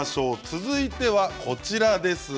続いてはこちらです。